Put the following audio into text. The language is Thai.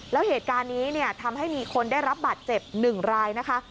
แล้วเหตุการณ์นี้เนี่ยทำให้มีคนได้รับบาดเจ็บ๑รายนะคะ